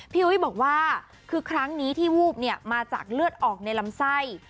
อุ้ยบอกว่าคือครั้งนี้ที่วูบมาจากเลือดออกในลำไส้